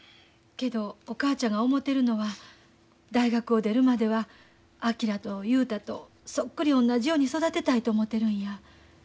けどお母ちゃんが思てるのは大学を出るまでは昭と雄太とそっくり同じように育てたいと思てるんや。